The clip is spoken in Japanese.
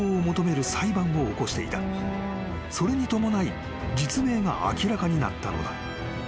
［それに伴い実名が明らかになったのだ］